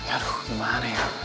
aduh gimana ya